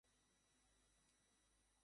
আমার তাড়ার আছে।